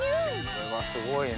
これはすごいな。